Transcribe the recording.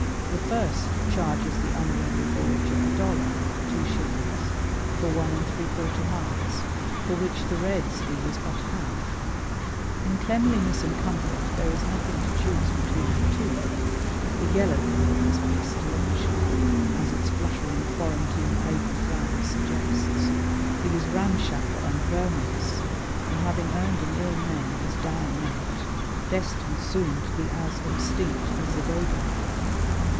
The first charges the unwary voyager a dollar (two shillings) for one and three quarter miles, for which the red's fee is but half. In cleanliness and comfort there is nothing to choose between the two. The yellow cab is pestilential, as its fluttering quarantine paper flag suggests. It is ramshackle and verminous, and, having earned an ill name, is dying out, destined soon to be as extinct as the dodo.